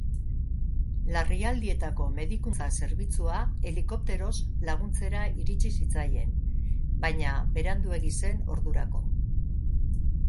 Larrialdietako medikuntza zerbitzua helikopteroz laguntzera iritsi zitzaien, baina beranduegi zen ordurako.